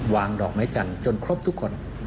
วางดอกไม้จันทร์จนครบทุกคน